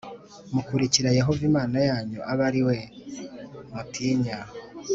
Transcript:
mukurikira Yehova Imana yanyu abe ari we mutinya